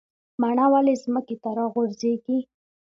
مڼه ولې ځمکې ته راغورځیږي؟